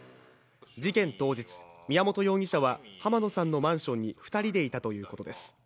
事件当日、宮本容疑者は濱野さんのマンションに２人でいたということです。